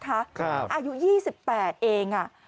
อายุ๒๘เอง